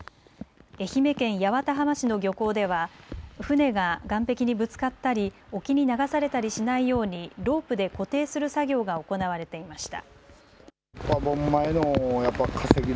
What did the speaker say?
愛媛県八幡浜市の漁港では船が岸壁にぶつかったり沖に流されたりしないようにロープで固定する作業が行われていました。